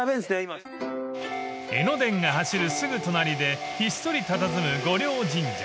［江ノ電が走るすぐ隣でひっそりたたずむ御霊神社］